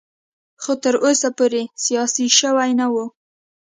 خو تر اوسه پورې سیاسي شوی نه و.